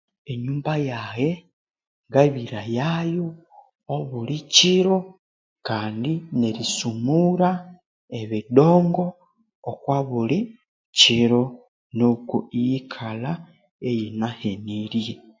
Enyumba yaghe ngabirayayo obulikyiro Kandi nerisumura ebidongo okwa buli kyiro nuku iyikalha iyinaheniryi